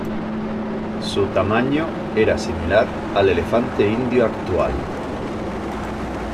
Su tamaño era similar al elefante indio actual.